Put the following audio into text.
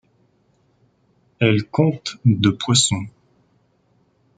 Elle compte de poissons.